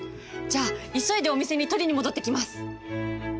じゃあ急いでお店に取りに戻ってきます。